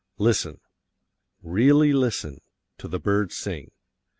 Listen really listen to the birds sing.